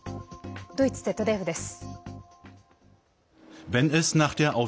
ドイツＺＤＦです。